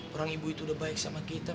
orang ibu itu udah baik sama kita